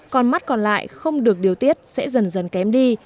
còn mắt còn lại không được điều tiết sẽ dần dần kém đi